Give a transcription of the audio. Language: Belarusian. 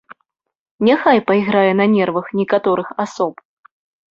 Няхай пайграе на нервах некаторых асоб.